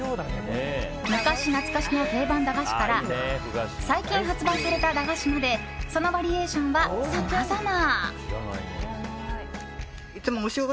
昔懐かしの定番駄菓子から最近発売された駄菓子までそのバリエーションはさまざま。